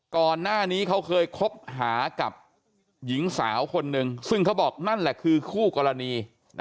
ก่อนหน้านี้เขาเคยคบหากับหญิงสาวคนนึงซึ่งเขาบอกนั่นแหละคือคู่กรณี